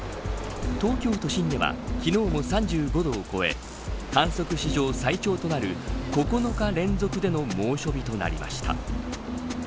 東京都心には昨日も３５度を超え観測史上、最長となる９日連続での猛暑日となりました。